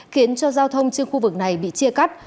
khiến cho giao thông trên khu vực này bị chia cắt